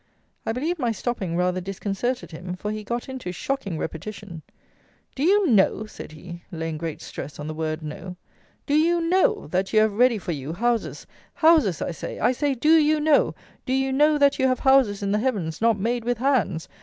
I believe my stopping rather disconcerted him; for he got into shocking repetition. "Do you know," said he, laying great stress on the word know: "do you know, that you have ready for you houses, houses I say; I say do you know; do you know that you have houses in the heavens not made with hands?